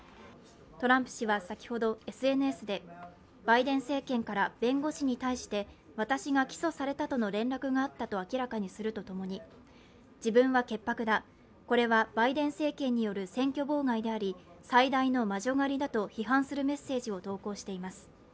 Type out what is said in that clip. トランプ氏は先ほど、ＳＮＳでバイデン政権から弁護士に対して私が起訴されたとの連絡があったと明らかにするとともに自分は潔白だ、これはバイデン政権による選挙妨害であり、最大の魔女狩りだと批判するメッセージを投稿しています。